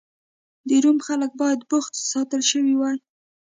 د روم خلک باید بوخت ساتل شوي وای.